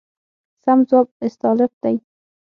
سم ځواب استالف دی.